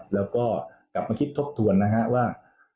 และก็กลับมาคิดทบทวนว่า